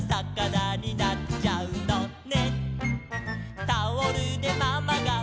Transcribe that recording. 「くじらになっちゃうのね」